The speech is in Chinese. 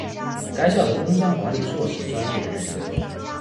该校的工商管理硕士专业的认证。